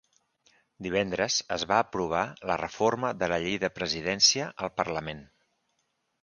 Divendres es va aprovar la reforma de la llei de presidència al parlament.